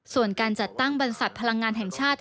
ส่วนการจัดตั้งบรรษัทพลังงานแห่งชาติ